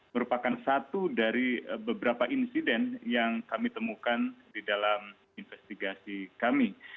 merupakan satu dari beberapa insiden yang kami temukan di dalam investigasi kami